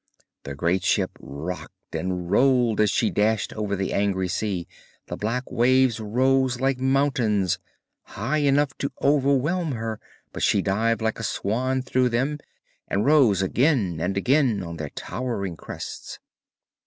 The great ship rocked and rolled as she dashed over the angry sea, the black waves rose like mountains, high enough to overwhelm her, but she dived like a swan through them and rose again and again on their towering crests.